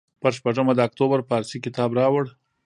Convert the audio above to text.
پر شپږمه د اکتوبر پارسي کتاب راوړ.